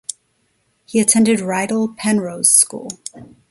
He attended Rydal Penrhos School.